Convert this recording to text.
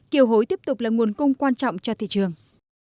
kiều hối tiếp tục là nguồn cung quan trọng cho thị trường